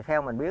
theo mình biết